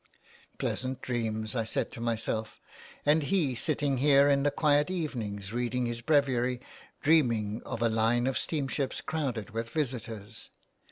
" Pleasant dreams," I said to myself, " and he sitting here in the quiet evenings, reading his breviary, dreaming of a line of steamships crowded with visitors.